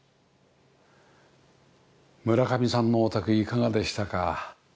村上さんのお宅いかがでしたか？